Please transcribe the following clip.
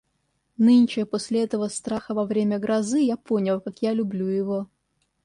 Нынче после этого страха во время грозы я понял, как я люблю его.